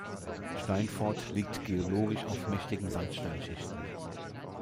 Steinfort liegt geologisch auf mächtigen Sandsteinschichten.